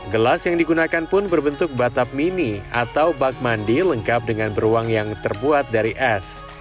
gelas yang digunakan pun berbentuk batap mini atau bak mandi lengkap dengan beruang yang terbuat dari es